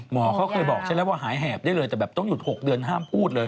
หมอเขาเคยบอกฉันแล้วว่าหายแหบได้เลยแต่แบบต้องหยุด๖เดือนห้ามพูดเลย